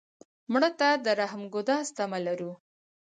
مړه ته د رحم ګذار تمه لرو